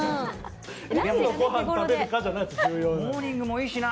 モーニングもいいしな。